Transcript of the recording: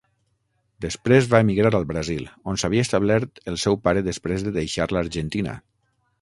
Després va emigrar al Brasil, on s'havia establert el seu pare després de deixar l'Argentina.